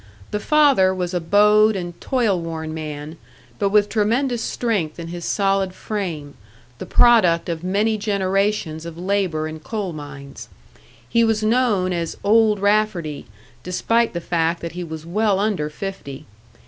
The father was a bowed and toil worn man, but with tremendous strength in his solid frame, the product of many generations of labour in coal mines. He was known as "Old Rafferty," despite the fact that he was well under fifty.